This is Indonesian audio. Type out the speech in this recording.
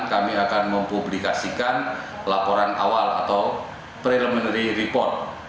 kami akan mempublikasikan laporan awal atau preliminary report